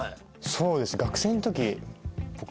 そうです。